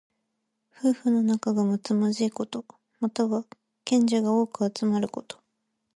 夫婦の仲がむつまじいこと。または、賢者が多く集まること。